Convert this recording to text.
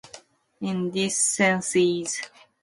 In this sentence, "burst" is used in the past tense.